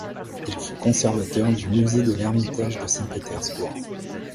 Il fut conservateur du Musée de l'Ermitage de Saint-Pétersbourg.